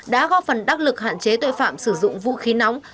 đã góp phần đắc lực hạn chế tội phạm sử dụng vũ khí nóng